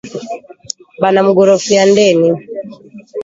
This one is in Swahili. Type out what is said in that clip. Bana mugorofea ndeni